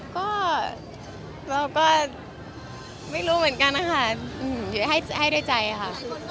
ก็เราก็ไม่รู้เหมือนกันนะคะให้ด้วยใจค่ะ